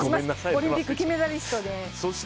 オリンピック金メダリストです。